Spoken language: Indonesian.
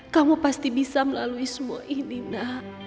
kamu pasti bisa melalui semua ini nak